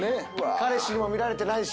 彼氏にも見られてないし。